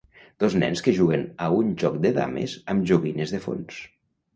Dos nens que juguen a un joc de dames amb joguines de fons.